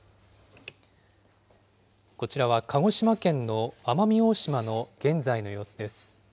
こちらは鹿児島県の奄美大島の現在の様子です。